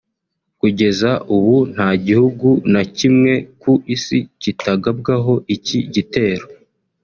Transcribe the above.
… Kugeza ubu nta gihugu na kimwe ku isi kitagabwaho iki gitero